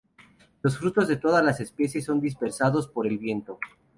Los frutos de todas las especies son dispersados por el viento.